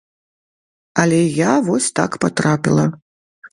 Але я вось так патрапіла.